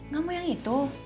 gak mau yang itu